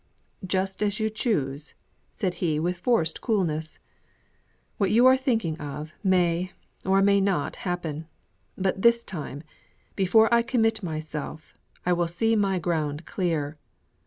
"Just as you choose," said he with forced coolness. "What you are thinking of may or may not happen; but this time, before I commit myself, I will see my ground clear.